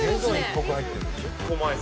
結構、前ですね。